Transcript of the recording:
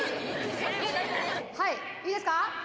「はいいいですか？